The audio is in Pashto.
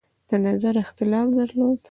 د نظر اختلاف درلود.